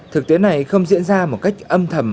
thực tiễn này không diễn ra một cách âm thầm khó nhận biết